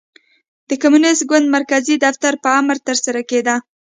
د کمونېست ګوند مرکزي دفتر په امر ترسره کېده.